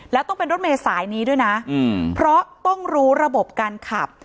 แล้วต้องเป็นรถเมษายนี้ด้วยนะเพราะต้องรู้ระบบการขับ